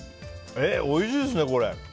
おいしいですね、これ。